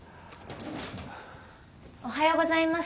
おはようございます。